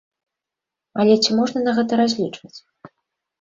Але ці можна на гэта разлічваць?